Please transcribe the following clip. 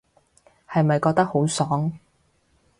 係咪覺得好爽